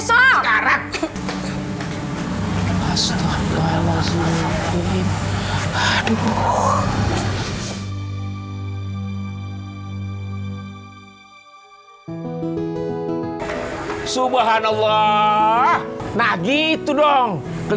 sampai dulu dong